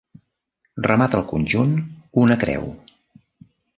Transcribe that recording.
Remata el conjunt una creu.